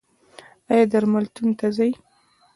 ایا درملتون ته ځئ؟